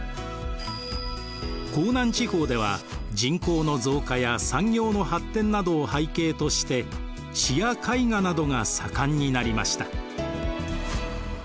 江南地方では人口の増加や産業の発展などを背景として詩や絵画などが盛んになりました。